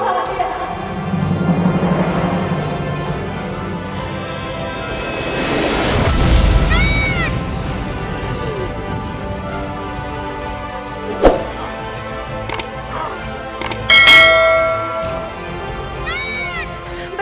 aku akan menyelamatkan ibu